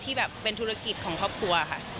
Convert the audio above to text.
แบบเป็นธุรกิจของครอบครัวค่ะ